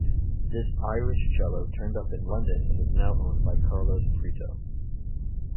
This "Irish" cello turned up in London and is now owned by Carlos Prieto.